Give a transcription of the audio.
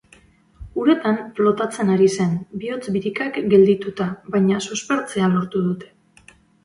Uretan flotatzen ari zen, bihotz-birikak geldituta, baina suspertzea lortu dute.